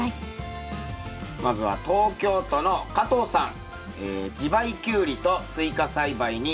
まずは東京都の加藤さん。